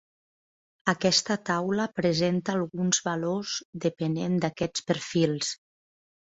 Aquesta taula presenta alguns valors depenent d'aquests perfils.